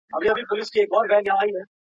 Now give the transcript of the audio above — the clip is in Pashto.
اجازه ده چي بحث وسي.